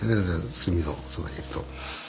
炭のそばにいると。